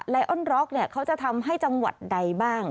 ไอออนร็อกเขาจะทำให้จังหวัดใดบ้าง